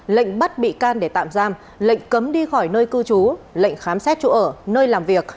lệnh bắt bị can để tạm giam lệnh cấm đi khỏi nơi cư trú lệnh khám xét chỗ ở nơi làm việc